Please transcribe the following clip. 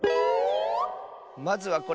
まずはこれ！